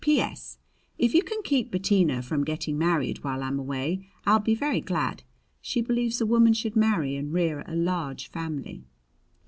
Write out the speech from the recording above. P.S. If you can keep Bettina from getting married while I'm away I'll be very glad. She believes a woman should marry and rear a large family!